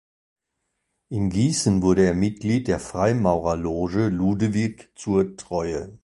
In Gießen wurde er Mitglied der Freimaurerloge "Ludewig zur Treue".